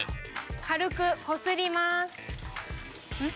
軽くこすりまーす。